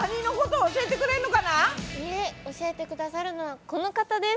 いいえ教えてくださるのはこの方です！